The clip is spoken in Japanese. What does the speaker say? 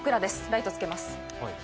ライトつけます。